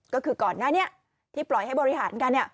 ก็คือก่อนหน้านี้ที่ปล่อยให้บริหารกัน